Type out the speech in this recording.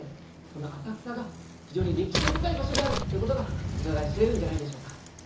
この浅草が非常に歴史深い場所であるってことがうかがい知れるんじゃないでしょうか。